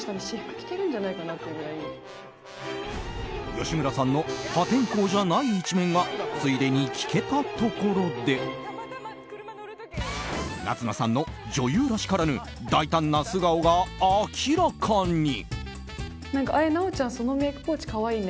吉村さんの破天荒じゃない一面がついでに聞けたところで夏菜さんの女優らしからぬ大胆な素顔が明らかに。